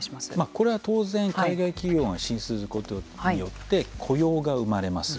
これは、当然、海外企業が進出することによって雇用が生まれます。